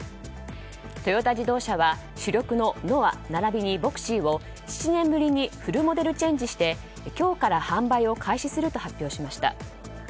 トヨタ自動車は主力のノアならびにヴォクシーを７年ぶりにフルモデルチェンジして今日から販売を開始すると発表しました。